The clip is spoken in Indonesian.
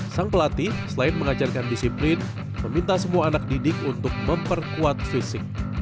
sang pelatih selain mengajarkan disiplin meminta semua anak didik untuk memperkuat fisik